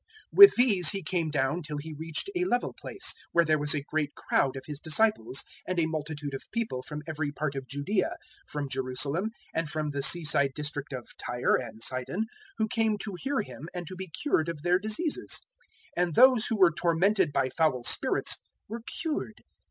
006:017 With these He came down till He reached a level place, where there was a great crowd of His disciples, and a multitude of people from every part of Judaea, from Jerusalem, and from the sea side district of Tyre and Sidon, who came to hear Him and to be cured of their diseases; 006:018 and those who were tormented by foul spirits were cured.